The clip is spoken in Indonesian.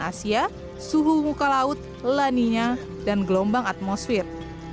asia suhu muka laut laninya dan gelombang atmosfer